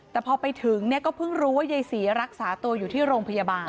แต่พอไปถึงเนี่ยก็เพิ่งรู้ว่ายายศรีรักษาตัวอยู่ที่โรงพยาบาล